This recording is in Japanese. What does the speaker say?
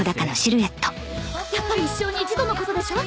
やっぱり一生に一度の事でしょ？